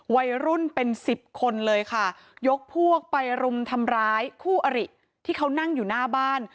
วัยรุ่นเป็นสิบคนเลยค่ะยกพวกไปรุมทำร้ายคู่อริที่เขานั่งอยู่หน้าบ้าน